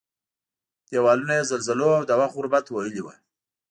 دېوالونه یې زلزلو او د وخت غربت وهلي وو.